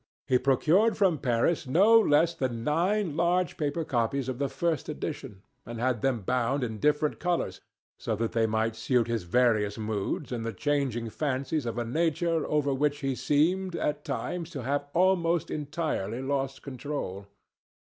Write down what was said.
He procured from Paris no less than nine large paper copies of the first edition, and had them bound in different colours, so that they might suit his various moods and the changing fancies of a nature over which he seemed, at times, to have almost entirely lost control.